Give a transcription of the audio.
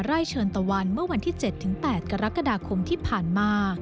ไร่เชิญตะวันเมื่อวันที่๗๘กรกฎาคมที่ผ่านมา